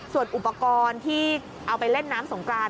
ส่วนอุปกรณ์ที่เอาไปเล่นน้ำสงกราน